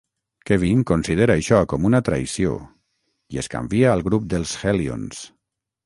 Kevin considera això com una traïció, i es canvia al grup dels Hellions.